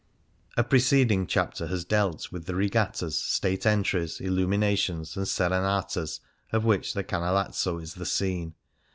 A preceding chapter has dealt with the regattas. State entries, illuminations, and serenatas, of which the Canalazzo is the scene.